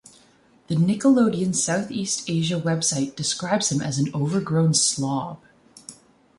The Nickelodeon South East Asia website describes him as an overgrown slob.